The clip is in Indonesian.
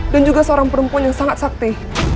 juga seorang perempuan yang sangat sakti